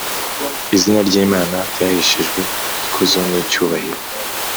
izina ry’imana ryaheshejwe ikuzo n’icyubahiro,